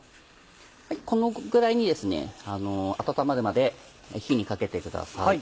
このぐらいに温まるまで火にかけてください。